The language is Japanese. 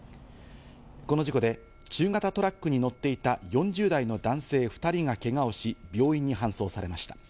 この事故で、中型トラックに乗っていた４０代の男性２人がけがをし、病院に搬送されました。